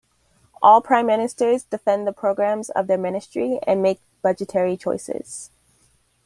All prime ministers defend the programs of their ministry, and make budgetary choices.